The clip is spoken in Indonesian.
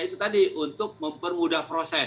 itu tadi untuk mempermudah proses